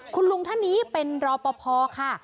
คุณลุงท่านนี้เป็นรอปภค่ะ